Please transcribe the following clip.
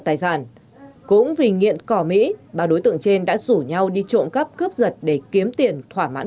tài sản cũng vì nghiện cỏ mỹ ba đối tượng trên đã rủ nhau đi trộm cắp cướp giật để kiếm tiền thỏa mãn